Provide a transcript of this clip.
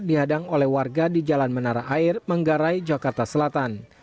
dihadang oleh warga di jalan menara air manggarai jakarta selatan